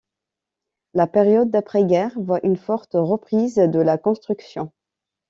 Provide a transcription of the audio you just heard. La période d'après-guerre voit une forte reprise de la construction.